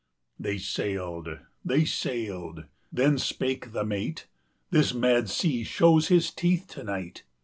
They sailed. They sailed. Then spake the mate: "This mad sea shows his teeth to night.